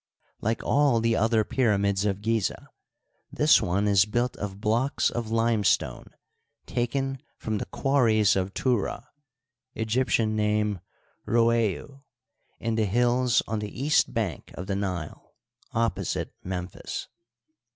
Like all the other pyramids of Gizeh, this one is built of blocks of limestone taken from the quarries of Turah (Egyptian name, Rodti), in the hills on the east bank of the Nile, opposite Memphis.